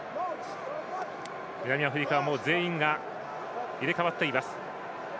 南アフリカは全員が入れ替わっています。